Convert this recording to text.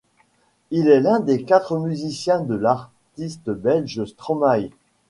Il est l'un des quatre musiciens de l'artiste belge Stromae.